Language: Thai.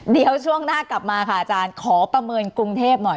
เดี๋ยวช่วงหน้ากลับมาค่ะอาจารย์ขอประเมินกรุงเทพหน่อย